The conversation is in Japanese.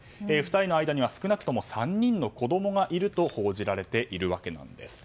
２人の間には少なくとも３人の子供がいると報じられているわけなんです。